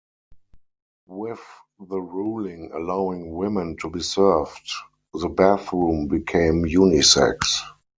With the ruling allowing women to be served, the bathroom became unisex.